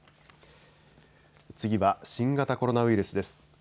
次は、新型コロナウイルスです。